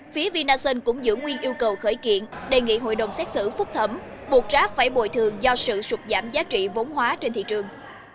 phía vinasun cũng giữ nguyên yêu cầu khởi kiện đề nghị hội đồng xét xử phúc thẩm buộc grab phải bồi thường do sự sụt giảm giá trị vốn hóa trên thị trường